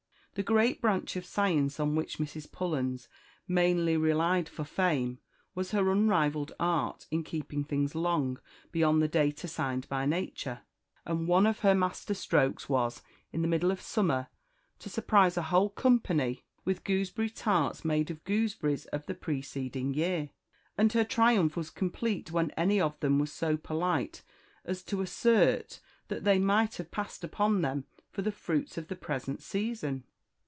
The great branch of science on which Mrs. Pullens mainly relied for fame was her unrivalled art in keeping things long beyond the date assigned by nature; and one of her master strokes was, in the middle of summer, to surprise a whole company with gooseberry tarts made of gooseberries of the preceding year; and her triumph was complete when any of them were so polite as to assert that they might have passed upon them for the fruits of the present season.